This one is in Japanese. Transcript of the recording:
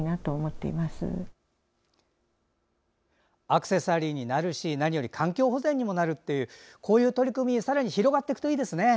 アクセサリーになるし何より環境保全にもなるっていうこういう取り組みはさらに広がっていくといいですね。